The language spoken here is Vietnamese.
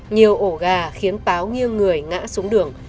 nhiều ổ gà khiến páo nghiêng người ngã xuống đường